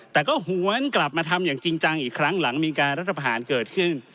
แต่ก็หวนกลับมาทำอย่างจริงจังอีกครั้งหลังมีการรัฐประหารเกิดขึ้น